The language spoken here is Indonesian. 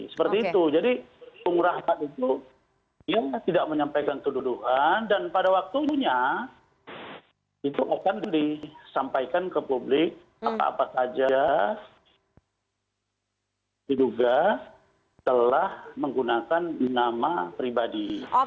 seperti itu jadi bung rahmat itu dia tidak menyampaikan kedudukan dan pada waktunya itu akan disampaikan ke publik apa apa saja diduga telah menggunakan nama pribadi